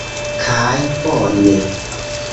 Kaj... bone!